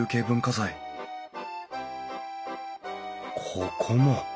ここも。